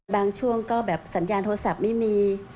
ช่วงก็แบบสัญญาณโทรศัพท์ไม่มี